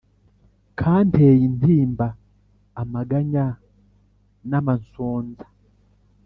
kanteye intimba, amaganya n' amansonza